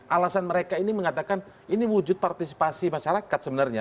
alasan mereka ini mengatakan ini wujud partisipasi masyarakat sebenarnya